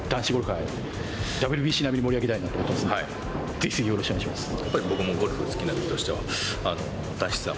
ぜひぜひよろしくお願いします。